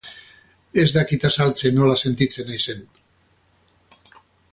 Ez dakit azaltzen nola sentitzen naizen.